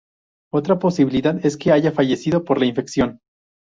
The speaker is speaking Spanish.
Otra posibilidad es que haya fallecido por la infección.